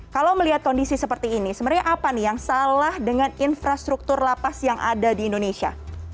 kalau melihat kondisi seperti ini sebenarnya apa nih yang salah dengan infrastruktur lapas yang ada di indonesia